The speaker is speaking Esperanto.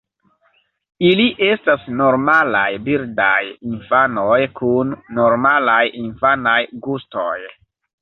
Ili estas normalaj birdaj infanoj kun normalaj infanaj gustoj.